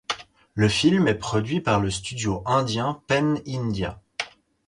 Le film est produit par le studio indien Pen India.